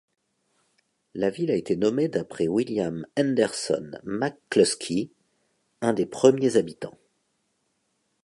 La ville a été nommée d’après William Henderson McClusky, un des premiers habitants.